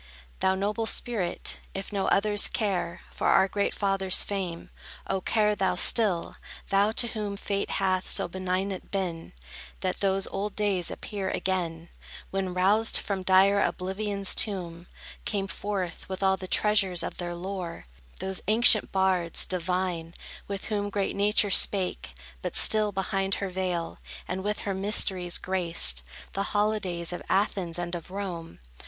Thou noble spirit, if no others care For our great Fathers' fame, oh, care thou still, Thou, to whom Fate hath so benignant been, That those old days appear again, When, roused from dire oblivion's tomb, Came forth, with all the treasures of their lore, Those ancient bards, divine, with whom Great Nature spake, but still behind her veil, And with her mysteries graced The holidays of Athens and of Rome.